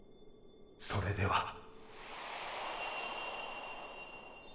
それでは。